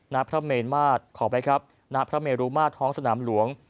ณพระเมรุมาร์ดท้องสนามหลวง